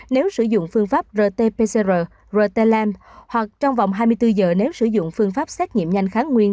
nếu sử dụng phương pháp rt pcr rtlem hoặc trong vòng hai mươi bốn giờ nếu sử dụng phương pháp xét nghiệm nhanh kháng nguyên